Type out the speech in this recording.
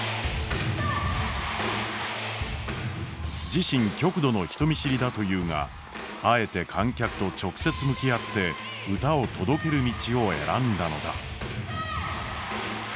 自身極度の人見知りだと言うがあえて観客と直接向き合って歌を届ける道を選んだのだ。